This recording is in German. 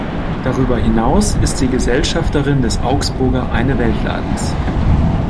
Darüber hinaus ist sie Gesellschafterin des Augsburger Eine-Welt-Ladens.